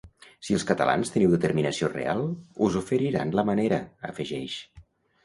“Si els catalans teniu determinació real, us oferiran la manera”, afegeix.